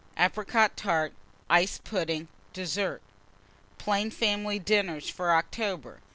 Apricot Tart. Iced Pudding. DESSERT. PLAIN FAMILY DINNERS FOR OCTOBER.